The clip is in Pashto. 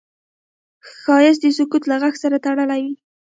ښایست د سکوت له غږ سره تړلی دی